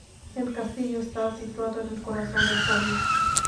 El castillo está situado en el corazón del pueblo.